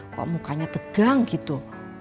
kok mukanya tegang gitu